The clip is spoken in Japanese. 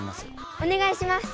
おねがいします！